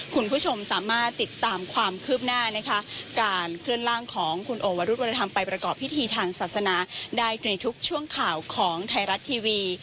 คุณผู้ชมสามารถติดตามความคืบหน้านะคะการเคลื่อนร่างของคุณโอวรุธวรธรรมไปประกอบพิธีทางศาสนาได้ในทุกช่วงข่าวของไทยรัฐทีวี